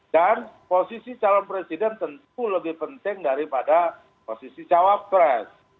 dan posisi calon presiden tentu lebih penting daripada posisi cawapres